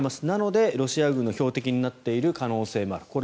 なので、ロシア軍の標的になっている可能性がある。